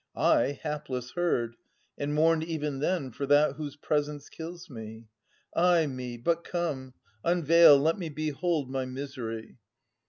I, hapless, heard, And mourned even then for that whose presence kills me. Ay me! But come, Unveil. Let me behold my misery.